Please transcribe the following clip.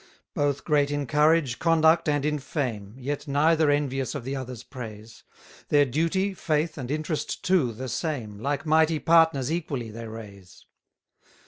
48 Both great in courage, conduct, and in fame, Yet neither envious of the other's praise; Their duty, faith, and interest too the same, Like mighty partners equally they raise.